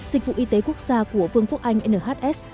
dịch vụ y tế quốc gia của vương quốc anh nhs